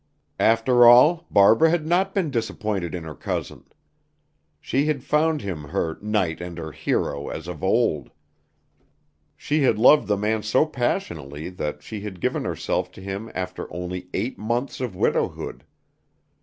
After all, Barbara had not been disappointed in her cousin. She had found him her "knight and her hero" as of old. She had loved the man so passionately that she had given herself to him after only eight months of widowhood.